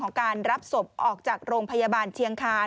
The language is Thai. การรับศพออกจากโรงพยาบาลเชียงคาน